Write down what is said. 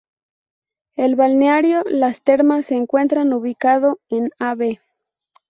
El Balneario las termas se encuentra ubicado en Av.